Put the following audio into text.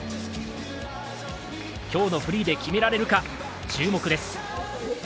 今日のフリーで決められるか、注目です。